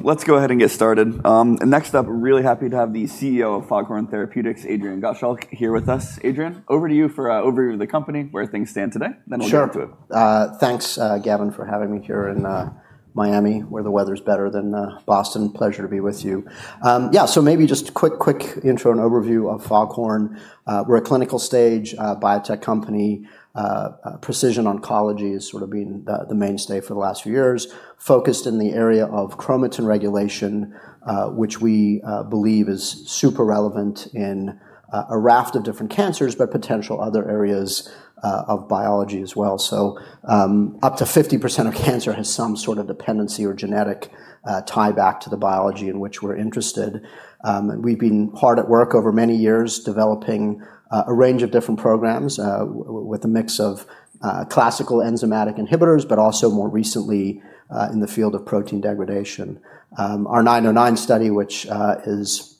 Let's go ahead and get started. Next up, really happy to have the CEO of Foghorn Therapeutics, Adrian Gottschalk, here with us. Adrian, over to you for an overview of the company, where things stand today, then we'll get into it. Sure. Thanks, Gavin, for having me here in Miami, where the weather's better than Boston. Pleasure to be with you. Yeah, so maybe just a quick, quick intro and overview of Foghorn. We're a clinical stage biotech company. Precision oncology has sort of been the mainstay for the last few years, focused in the area of chromatin regulation, which we believe is super relevant in a raft of different cancers, but potential other areas of biology as well, so up to 50% of cancer has some sort of dependency or genetic tie back to the biology in which we're interested. We've been hard at work over many years developing a range of different programs with a mix of classical enzymatic inhibitors, but also more recently in the field of protein degradation. Our 909 study, which is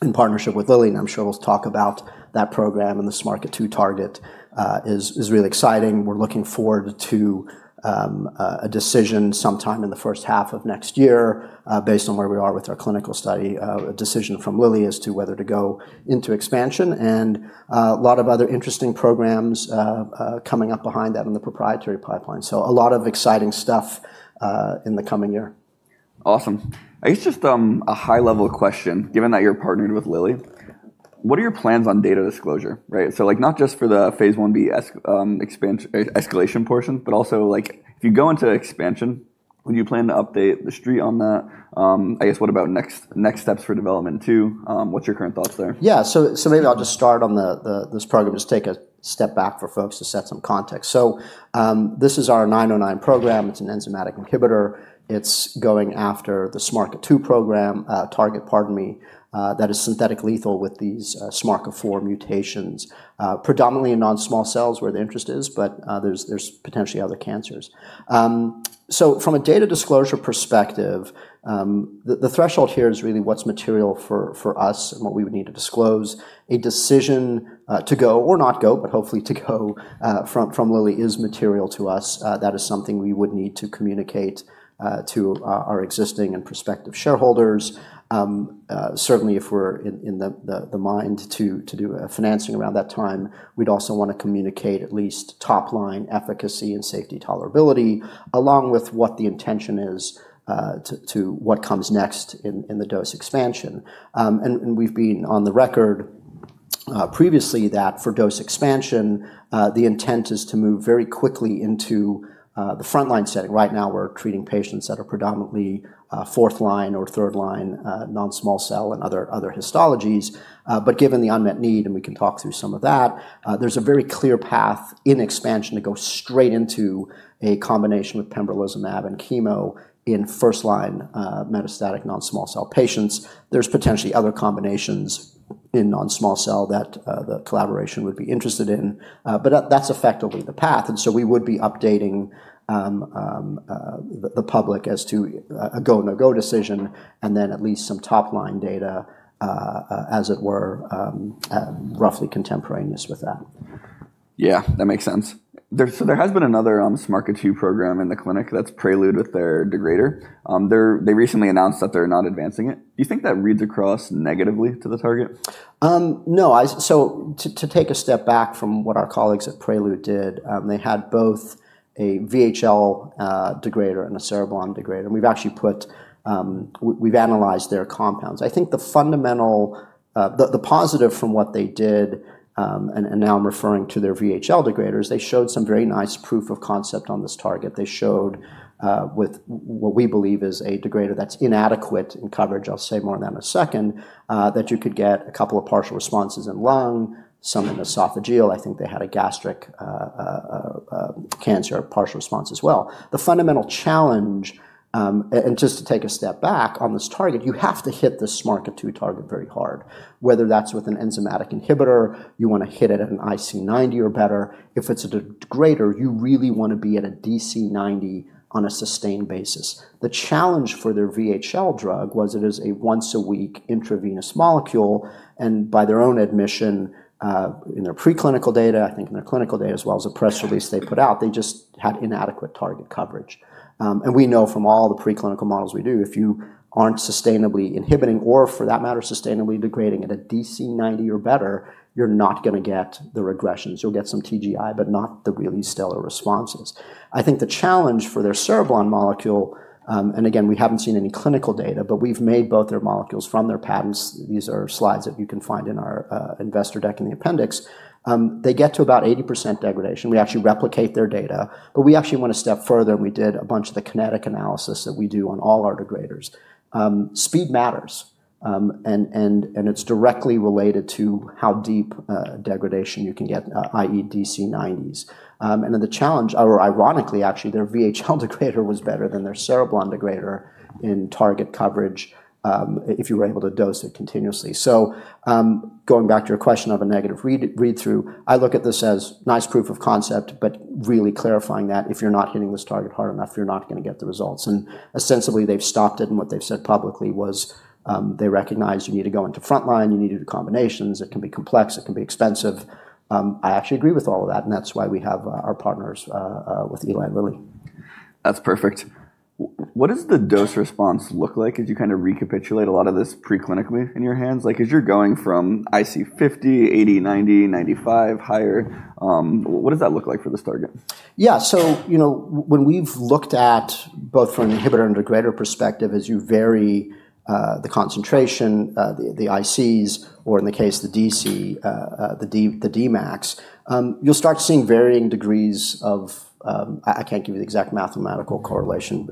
in partnership with Lilly, and I'm sure we'll talk about that program and the SMARCA2 target, is really exciting. We're looking forward to a decision sometime in the first half of next year based on where we are with our clinical study, a decision from Lilly as to whether to go into expansion, and a lot of other interesting programs coming up behind that in the proprietary pipeline, so a lot of exciting stuff in the coming year. Awesome. I guess just a high-level question, given that you're partnered with Lilly, what are your plans on data disclosure? So not just for the phase I-B escalation portion, but also if you go into expansion, would you plan to update the street on that? I guess what about next steps for development too? What's your current thoughts there? Yeah, so maybe I'll just start on this program, just take a step back for folks to set some context. So this is our 909 program. It's an enzymatic inhibitor. It's going after the SMARCA2 program target, pardon me, that is synthetic lethal with these SMARCA4 mutations, predominantly in non-small cells where the interest is, but there's potentially other cancers. So from a data disclosure perspective, the threshold here is really what's material for us and what we would need to disclose. A decision to go or not go, but hopefully to go from Lilly is material to us. That is something we would need to communicate to our existing and prospective shareholders. Certainly, if we're in the mind to do financing around that time, we'd also want to communicate at least top-line efficacy and safety tolerability, along with what the intention is to what comes next in the dose expansion. And we've been on the record previously that for dose expansion, the intent is to move very quickly into the front-line setting. Right now, we're treating patients that are predominantly fourth-line or third-line, non-small cell and other histologies. But given the unmet need, and we can talk through some of that, there's a very clear path in expansion to go straight into a combination with pembrolizumab and chemo in first-line metastatic non-small cell patients. There's potentially other combinations in non-small cell that the collaboration would be interested in. But that's effectively the path. And so we would be updating the public as to a go/no-go decision and then at least some top-line data, as it were, roughly contemporaneous with that. Yeah, that makes sense. So there has been another SMARCA2 program in the clinic that's Prelude with their degrader. They recently announced that they're not advancing it. Do you think that reads across negatively to the target? No. To take a step back from what our colleagues at Prelude did, they had both a VHL degrader and a Cereblon degrader. And we've actually analyzed their compounds. I think the fundamental, the positive from what they did, and now I'm referring to their VHL degraders, they showed some very nice proof of concept on this target. They showed with what we believe is a degrader that's inadequate in coverage. I'll say more on that in a second, that you could get a couple of partial responses in lung, some in esophageal. I think they had a gastric cancer partial response as well. The fundamental challenge, and just to take a step back on this target, you have to hit the SMARCA2 target very hard. Whether that's with an enzymatic inhibitor, you want to hit it at an IC90 or better. If it's a degrader, you really want to be at a DC90 on a sustained basis. The challenge for their VHL drug was it is a once-a-week intravenous molecule. And by their own admission, in their preclinical data, I think in their clinical data, as well as the press release they put out, they just had inadequate target coverage. And we know from all the preclinical models we do, if you aren't sustainably inhibiting or for that matter, sustainably degrading at a DC90 or better, you're not going to get the regressions. You'll get some TGI, but not the really stellar responses. I think the challenge for their Cereblon molecule, and again, we haven't seen any clinical data, but we've made both their molecules from their patents. These are slides that you can find in our investor deck in the appendix. They get to about 80% degradation. We actually replicate their data, but we actually want to step further, and we did a bunch of the kinetic analysis that we do on all our degraders. Speed matters, and it's directly related to how deep degradation you can get, i.e., DC90s, and then the challenge, or ironically, actually, their VHL degrader was better than their Cereblon degrader in target coverage if you were able to dose it continuously, so going back to your question of a negative read-through, I look at this as nice proof of concept, but really clarifying that if you're not hitting this target hard enough, you're not going to get the results, and ostensibly, they've stopped it, and what they've said publicly was they recognize you need to go into front-line, you need to do combinations. It can be complex. It can be expensive. I actually agree with all of that. That's why we have our partners with Eli Lilly. That's perfect. What does the dose response look like as you kind of recapitulate a lot of this preclinically in your hands? Like as you're going from IC50, 80, 90, 95, higher, what does that look like for this target? Yeah, so when we've looked at both from an inhibitor and degrader perspective, as you vary the concentration, the ICs, or in the case, the DC, the Dmax, you'll start seeing varying degrees of. I can't give you the exact mathematical correlation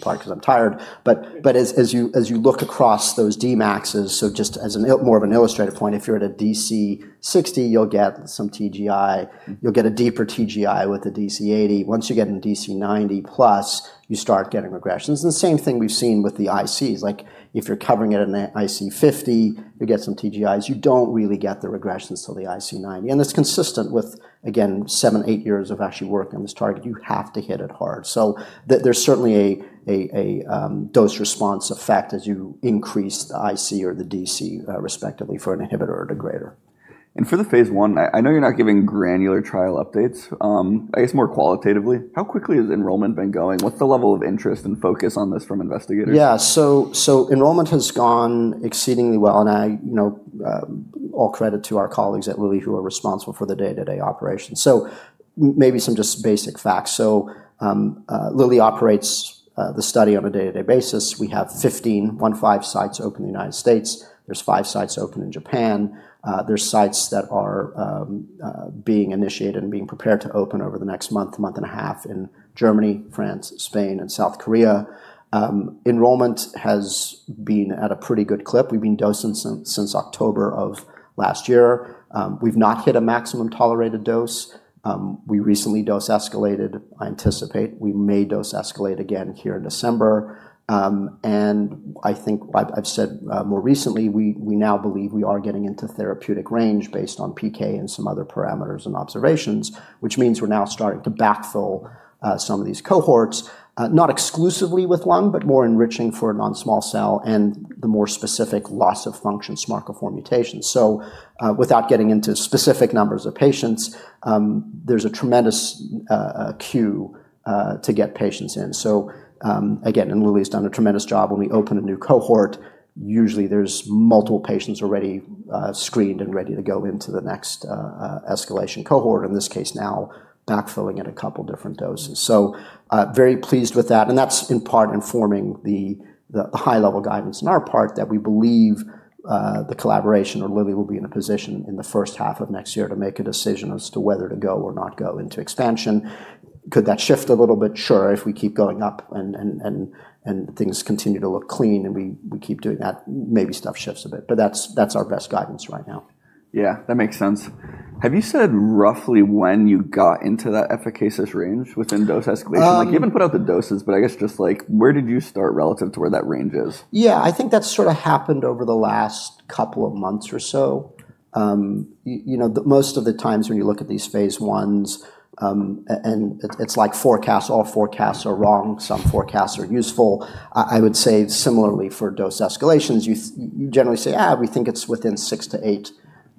part because I'm tired, but as you look across those Dmaxes, so just as more of an illustrative point, if you're at a DC60, you'll get some TGI. You'll get a deeper TGI with the DC80. Once you get in the DC90 plus, you start getting regressions. And the same thing we've seen with the ICs. Like if you're covering it in the IC50, you get some TGIs. You don't really get the regressions till the IC90. And it's consistent with, again, seven, eight years of actually working on this target. You have to hit it hard. There's certainly a dose-response effect as you increase the IC90 or the DC90 respectively for an inhibitor or degrader. For the phase I, I know you're not giving granular trial updates. I guess more qualitatively, how quickly has enrollment been going? What's the level of interest and focus on this from investigators? Yeah, so enrollment has gone exceedingly well. And all credit to our colleagues at Lilly who are responsible for the day-to-day operations. So maybe some just basic facts. So Lilly operates the study on a day-to-day basis. We have 15, one five sites open in the United States. There's five sites open in Japan. There's sites that are being initiated and being prepared to open over the next month, month and a half in Germany, France, Spain, and South Korea. Enrollment has been at a pretty good clip. We've been dosing since October of last year. We've not hit a maximum tolerated dose. We recently dose escalated. I anticipate we may dose escalate again here in December. I think I've said more recently, we now believe we are getting into therapeutic range based on PK and some other parameters and observations, which means we're now starting to backfill some of these cohorts, not exclusively with lung, but more enriching for non-small cell and the more specific loss of function SMARCA4 mutations. So without getting into specific numbers of patients, there's a tremendous queue to get patients in. So again, and Lilly's done a tremendous job. When we open a new cohort, usually there's multiple patients already screened and ready to go into the next escalation cohort, in this case now backfilling at a couple different doses. So very pleased with that. That's in part informing the high-level guidance on our part that we believe the collaboration with Lilly will be in a position in the first half of next year to make a decision as to whether to go or not go into expansion. Could that shift a little bit? Sure. If we keep going up and things continue to look clean and we keep doing that, maybe stuff shifts a bit. That's our best guidance right now. Yeah, that makes sense. Have you said roughly when you got into that efficacious range within dose escalation? You haven't put out the doses, but I guess just like where did you start relative to where that range is? Yeah, I think that's sort of happened over the last couple of months or so. Most of the times when you look at these phase Is, and it's like forecasts, all forecasts are wrong. Some forecasts are useful. I would say similarly for dose escalations, you generally say, we think it's within six to eight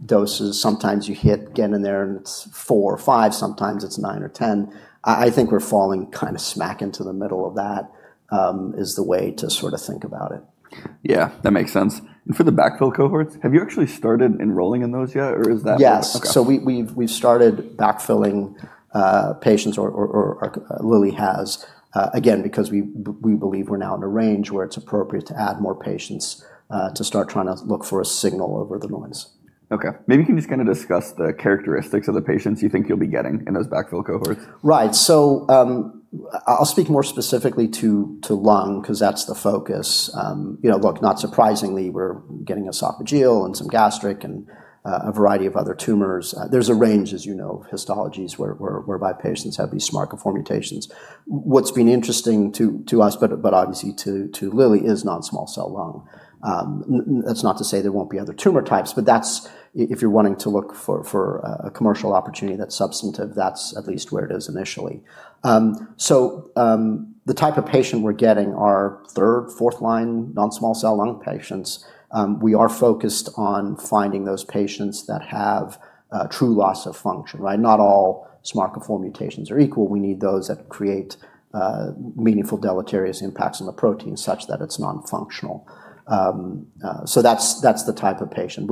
doses. Sometimes you hit again in there and it's four or five. Sometimes it's nine or ten. I think we're falling kind of smack into the middle of that is the way to sort of think about it. Yeah, that makes sense. And for the backfill cohorts, have you actually started enrolling in those yet or is that? Yes. So we've started backfilling patients or Lilly has, again, because we believe we're now in a range where it's appropriate to add more patients to start trying to look for a signal over the noise. Okay. Maybe you can just kind of discuss the characteristics of the patients you think you'll be getting in those backfill cohorts. Right. So I'll speak more specifically to lung because that's the focus. Look, not surprisingly, we're getting esophageal and some gastric and a variety of other tumors. There's a range, as you know, of histologies whereby patients have these SMARCA4 mutations. What's been interesting to us, but obviously to Lilly, is non-small cell lung. That's not to say there won't be other tumor types, but that's if you're wanting to look for a commercial opportunity that's substantive, that's at least where it is initially. So the type of patient we're getting are third, fourth-line non-small cell lung patients. We are focused on finding those patients that have true loss of function. Not all SMARCA4 mutations are equal. We need those that create meaningful deleterious impacts on the protein such that it's non-functional. So that's the type of patient.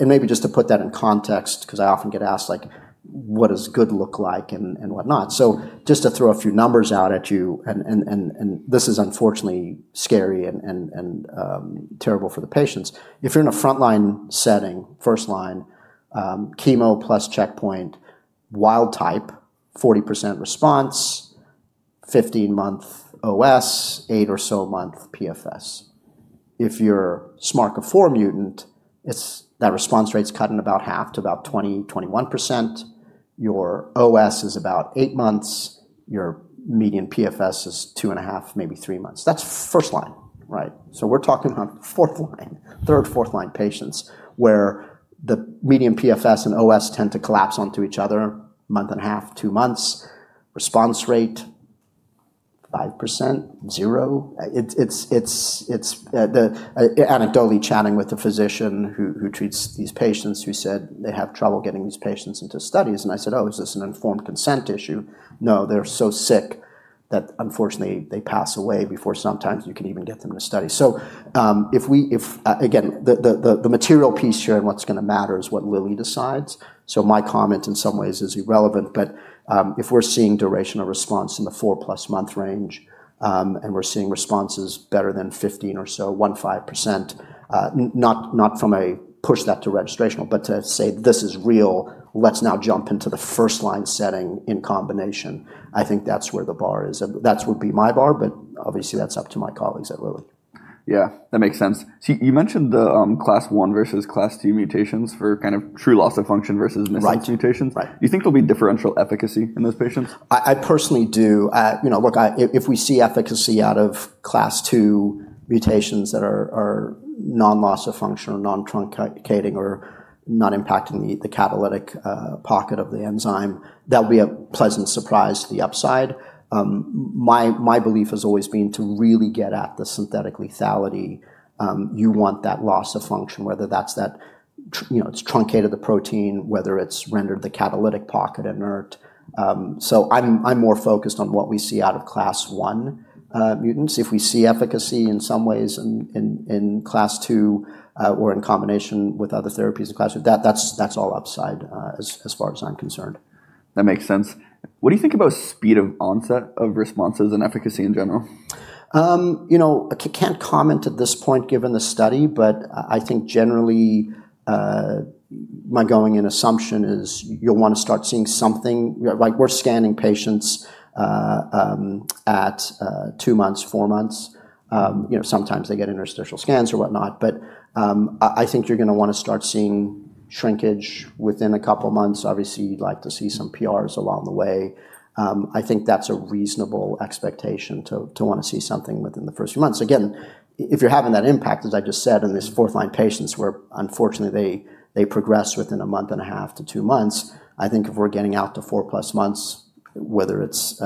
Maybe just to put that in context, because I often get asked like, what does good look like and whatnot? Just to throw a few numbers out at you, and this is unfortunately scary and terrible for the patients. If you're in a front-line setting, first-line, chemo plus checkpoint, wild type, 40% response, 15-month OS, eight or so month PFS. If you're SMARCA4 mutant, that response rate's cut in about half to about 20, 21%. Your OS is about eight months. Your median PFS is two and a half, maybe three months. That's first-line, right? We're talking about fourth-line, third, fourth-line patients where the median PFS and OS tend to collapse onto each other, month and a half, two months. Response rate, 5%, zero. Anecdotally chatting with the physician who treats these patients who said they have trouble getting these patients into studies. And I said, "Oh, is this an informed consent issue?" No, they're so sick that unfortunately they pass away before sometimes you can even get them in a study. So again, the material piece here and what's going to matter is what Lilly decides. So my comment in some ways is irrelevant, but if we're seeing duration of response in the four-plus month range and we're seeing responses better than 15% or so, not to push that to registrational, but to say this is real, let's now jump into the first-line setting in combination. I think that's where the bar is. That would be my bar, but obviously that's up to my colleagues at Lilly. Yeah, that makes sense. So you mentioned the Class 1 versus Class 2 mutations for kind of true loss of function versus missing mutations. Do you think there'll be differential efficacy in those patients? I personally do. Look, if we see efficacy out of Class 2 mutations that are non-loss of function or non-truncating or not impacting the catalytic pocket of the enzyme, that'll be a pleasant surprise to the upside. My belief has always been to really get at the synthetic lethality. You want that loss of function, whether that's that it's truncated of the protein, whether it's rendered the catalytic pocket inert. So I'm more focused on what we see out of Class 1 mutants. If we see efficacy in some ways in Class 2 or in combination with other therapies in Class 2, that's all upside as far as I'm concerned. That makes sense. What do you think about speed of onset of responses and efficacy in general? I can't comment at this point given the study, but I think generally my going in assumption is you'll want to start seeing something like we're scanning patients at two months, four months. Sometimes they get interim scans or whatnot, but I think you're going to want to start seeing shrinkage within a couple of months. Obviously, you'd like to see some PRs along the way. I think that's a reasonable expectation to want to see something within the first few months. Again, if you're having that impact, as I just said, in these fourth-line patients where unfortunately they progress within a month and a half to two months, I think if we're getting out to four plus months, whether it's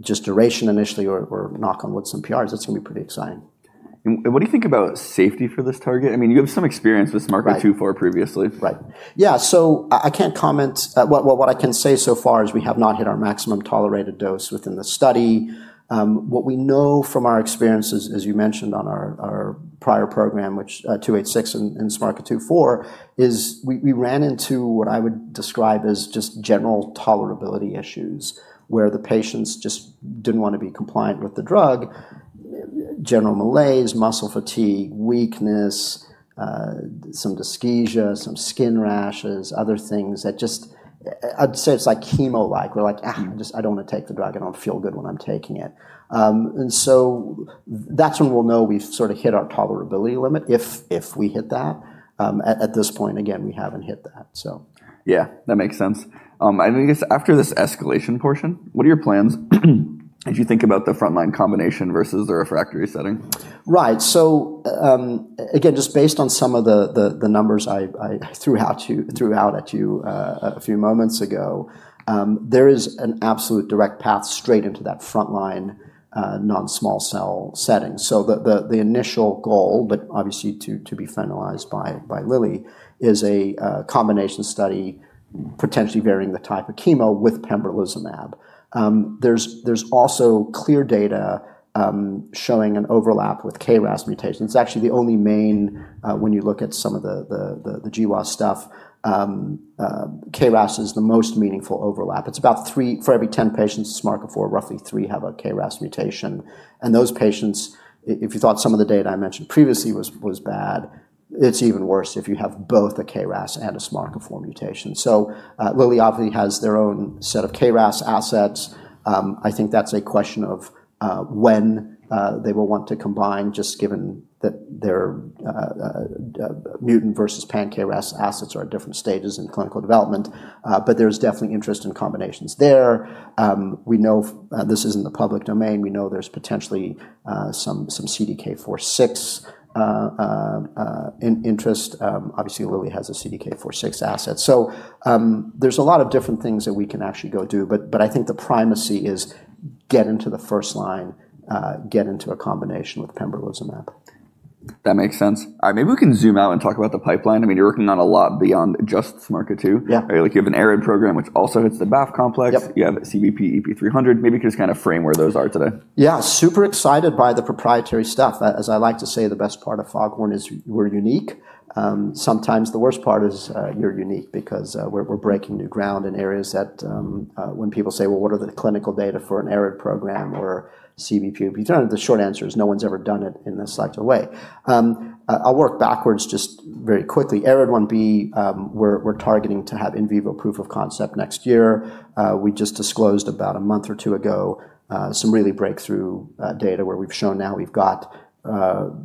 just duration initially or knock on wood, some PRs, that's going to be pretty exciting. What do you think about safety for this target? I mean, you have some experience with SMARCA2/4 previously. Right. Yeah. So I can't comment. What I can say so far is we have not hit our maximum tolerated dose within the study. What we know from our experiences, as you mentioned on our prior program, which 286 and SMARCA2/4, is we ran into what I would describe as just general tolerability issues where the patients just didn't want to be compliant with the drug. General malaise, muscle fatigue, weakness, some dyschezia, some skin rashes, other things that just I'd say it's like chemo like. We're like, I don't want to take the drug. I don't feel good when I'm taking it, and so that's when we'll know we've sort of hit our tolerability limit if we hit that. At this point, again, we haven't hit that, so. Yeah, that makes sense. I mean, I guess after this escalation portion, what are your plans as you think about the front-line combination versus the refractory setting? Right. So again, just based on some of the numbers I threw out at you a few moments ago, there is an absolute direct path straight into that front-line non-small cell setting. So the initial goal, but obviously to be finalized by Lilly, is a combination study potentially varying the type of chemo with pembrolizumab. There's also clear data showing an overlap with KRAS mutation. It's actually the only main when you look at some of the GWAS stuff, KRAS is the most meaningful overlap. It's about three for every 10 patients SMARCA4, roughly three have a KRAS mutation. And those patients, if you thought some of the data I mentioned previously was bad, it's even worse if you have both a KRAS and a SMARCA4 mutation. So Lilly obviously has their own set of KRAS assets. I think that's a question of when they will want to combine just given that their mutant versus pan-KRAS assets are at different stages in clinical development, but there's definitely interest in combinations there. We know this is in the public domain. We know there's potentially some CDK4/6 interest. Obviously, Lilly has a CDK4/6 asset. So there's a lot of different things that we can actually go do, but I think the primacy is get into the first line, get into a combination with pembrolizumab. That makes sense. Maybe we can zoom out and talk about the pipeline. I mean, you're working on a lot beyond just SMARCA2. You have an ARID1B program, which also hits the BAF complex. You have CBP EP300. Maybe you could just kind of frame where those are today. Yeah, super excited by the proprietary stuff. As I like to say, the best part of Foghorn is we're unique. Sometimes the worst part is you're unique because we're breaking new ground in areas that when people say, well, what are the clinical data for an ARID1B program or CBP? The short answer is no one's ever done it in this type of way. I'll work backwards just very quickly. ARID1B, we're targeting to have in vivo proof of concept next year. We just disclosed about a month or two ago some really breakthrough data where we've shown now we've got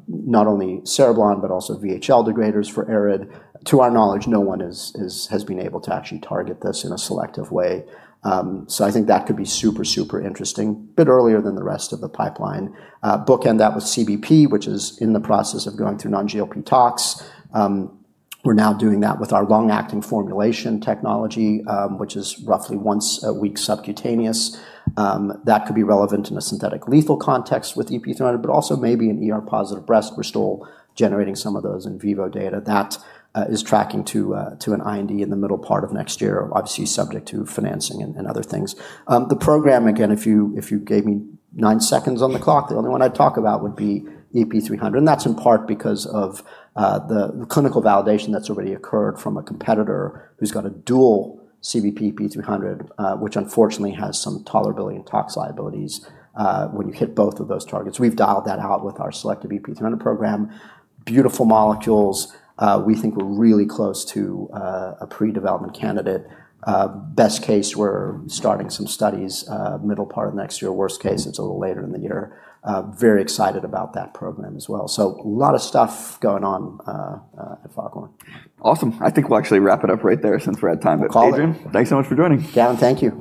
not only Cereblon, but also VHL degraders for ARID1B. To our knowledge, no one has been able to actually target this in a selective way. So I think that could be super, super interesting a bit earlier than the rest of the pipeline. Bookend that with CBP, which is in the process of going through non-GLP tox. We're now doing that with our long-acting formulation technology, which is roughly once a week subcutaneous. That could be relevant in a synthetic lethal context with EP300, but also maybe in ER-positive breast, we're still generating some of those in vivo data that is tracking to an IND in the middle part of next year, obviously subject to financing and other things. The program, again, if you gave me nine seconds on the clock, the only one I'd talk about would be EP300. And that's in part because of the clinical validation that's already occurred from a competitor who's got a dual CBP/EP300, which unfortunately has some tolerability and tox liabilities when you hit both of those targets. We've dialed that out with our selective EP300 program. Beautiful molecules. We think we're really close to a pre-development candidate. Best case we're starting some studies middle part of next year. Worst case, it's a little later in the year. Very excited about that program as well. So a lot of stuff going on at Foghorn. Awesome. I think we'll actually wrap it up right there since we're at time. Adrian, thanks so much for joining. Gavin, thank you.